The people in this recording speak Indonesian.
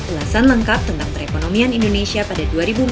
ulasan lengkap tentang perekonomian indonesia pada dua ribu empat belas